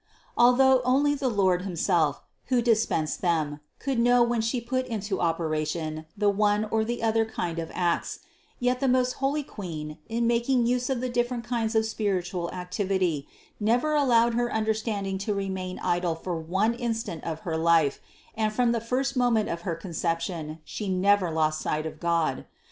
Al though only the Lord himself, who dispensed them, could know when She put into operation the one or the other kind of acts, yet the most holy Queen, in making use of the different kinds of spiritual activity, never allowed Her understanding to remain idle for one instant of her life, and from the first moment of her Conception She never lost sight of God.